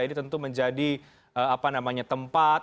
ini tentu menjadi tempat